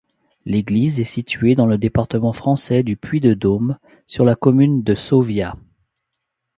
L'église est située dans le département français du Puy-de-Dôme, sur la commune de Sauviat.